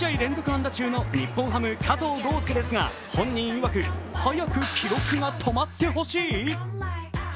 安打中の日本ハム・加藤豪将ですが本人いわく早く記録が止まってほしい？